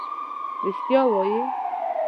رښتیا وایې.